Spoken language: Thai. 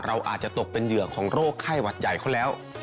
เราอาจจะตกเป็นเหยื่อของโรคไข้หวัดใหญ่เขาแล้ว